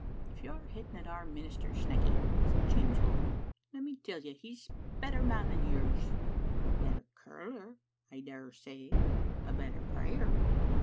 "If you're hitting at our minister, Snecky, said James Cochrane, "let me tell you he's a better man than yours." " A better curler, I dare say." i "A better prayer."